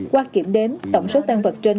qua kiểm đếm tổng số tan vật trên